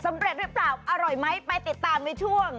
เร็จหรือเปล่าอร่อยไหมไปติดตามในช่วง